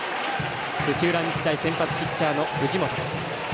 土浦日大、先発ピッチャーの藤本。